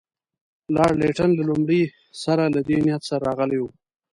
لارډ لیټن له لومړي سره له دې نیت سره راغلی وو.